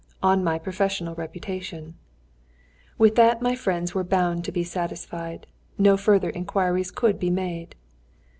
"On my professional reputation." With that my friends were bound to be satisfied. No further inquiries could be made.